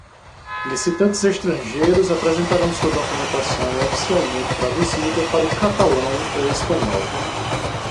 Licitantes estrangeiros apresentarão sua documentação oficialmente traduzida para o catalão ou espanhol.